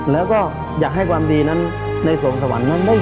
แล้วก็อยากให้ความดีนั้นในสวงสวรรค์นั้น